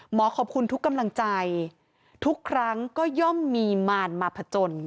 ขอบคุณทุกกำลังใจทุกครั้งก็ย่อมมีมารมาผจญ